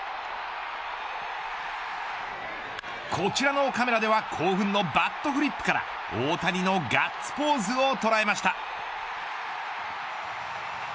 こちらのカメラでは興奮のバットフリップから大谷のガッツポーズを捉えました。